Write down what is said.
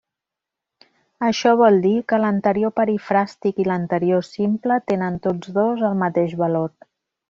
Això vol dir que l'Anterior Perifràstic i l'Anterior Simple tenen tots dos el mateix valor.